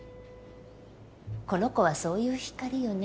この子はそういう光よね。